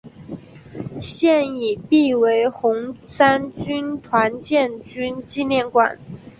现已辟为红三军团建军纪念馆。